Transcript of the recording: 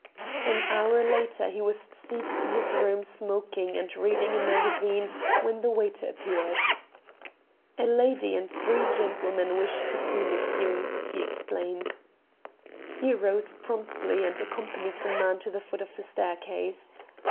An hour later he was seated in his room smoking and reading a magazine when the waiter appeared. "A lady and three gentlemen wish to see monsieur," he explained. He rose promptly, and accompanied the man to the foot of the staircase.